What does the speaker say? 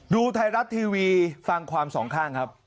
ดูไทยรัฐทีวีฟังความสองข้างครับ